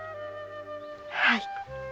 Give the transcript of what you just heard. はい。